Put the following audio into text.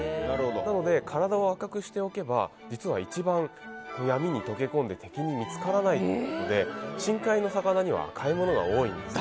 なので、体を赤くしておけば一番闇に溶け込んで敵に見つからないということで深海の魚には赤いものが多いんです。